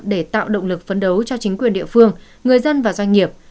để tạo động lực phấn đấu cho chính quyền địa phương người dân và doanh nghiệp